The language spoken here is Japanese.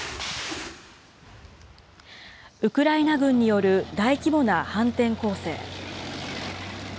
ウクライナ軍による大規模な反転攻勢。